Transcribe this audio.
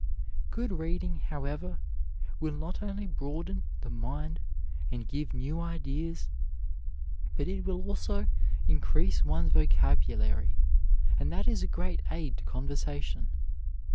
Good reading, however, will not only broaden the mind and give new ideas, but it will also increase one's vocabulary, and that is a great aid to conversation.